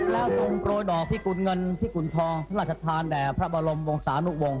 แล้วตรงโปรดอกพี่กุญเงินพี่กุญทองท่านราชธานแด่พระบรมวงศานุวงศ์